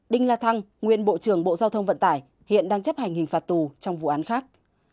đinh la thăng nguyên bộ trưởng bộ giao thông vận tải hiện đang chấp hành hình phạt tù trong vụ án khác